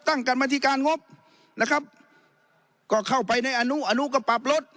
กรรมธิการงบนะครับก็เข้าไปในอนุอนุก็ปรับลด